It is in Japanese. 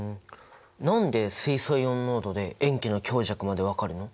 何で水素イオン濃度で塩基の強弱まで分かるの？